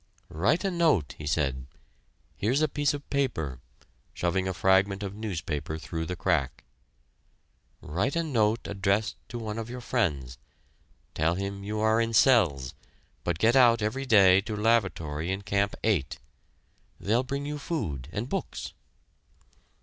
"Write a note," he said. "Here's a piece of paper," shoving a fragment of newspaper through the crack. "Write a note addressed to one of your friends, tell him you are in cells, but get out every day to lavatory in Camp 8 they'll bring you food, and books."